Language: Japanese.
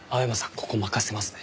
ここ任せますね。